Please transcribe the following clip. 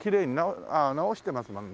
ああ直してますもんね